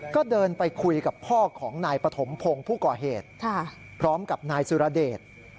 ก็เดินไปคุยกับพ่อของนายปฐมพงศ์ผู้ก่อเหตุพร้อมกับนายสุรเดช